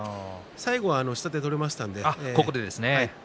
最後は下手が取れました。